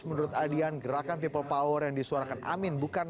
menurut adian gerakan ini akan menjadi sebuah kemampuan